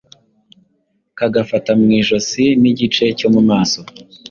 kagafata mu ijosi n’igice cyo mumaso